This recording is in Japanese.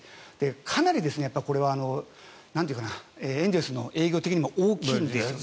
かなりこれはエンゼルスの営業的にも大きいんですね。